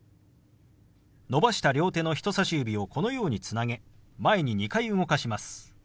伸ばした両手の人さし指をこのようにつなげ前に２回動かします。